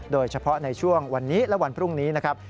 โดยเฉพาะในช่วงวันนี้และวันพรุ่งนี้นะครับ